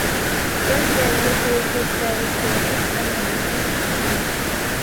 Just then the Secret Service came in and arrested him.